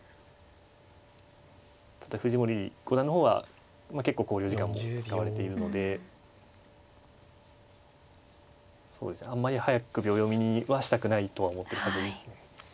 ただ藤森五段の方は結構考慮時間も使われているのでそうですねあんまり早く秒読みにはしたくないとは思ってるはずですね。